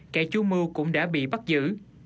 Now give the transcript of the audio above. kẻ chú mưu cũng đã bị bắt giữ